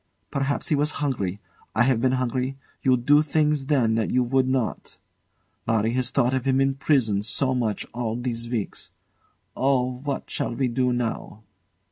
Perhaps he was hungry. I have been hungry: you do things then that you would not. Larry has thought of him in prison so much all these weeks. Oh! what shall we do now?